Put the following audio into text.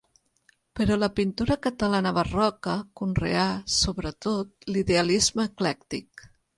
Però la pintura catalana barroca conreà, sobretot, l'idealisme eclèctic.